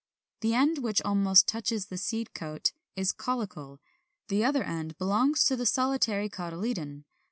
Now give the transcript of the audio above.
The end which almost touches the seed coat is caulicle, the other end belongs to the solitary cotyledon.